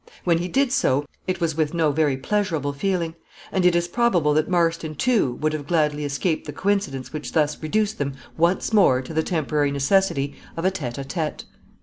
When he did so it was with no very pleasurable feeling; and it is probable that Marston, too, would have gladly escaped the coincidence which thus reduced them once more to the temporary necessity of a Tate à Tate.